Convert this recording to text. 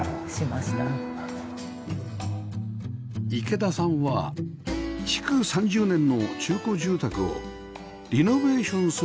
池田さんは築３０年の中古住宅をリノベーションする前提で購入